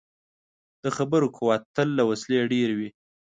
د خبرو قوت تل له وسلې ډېر وي.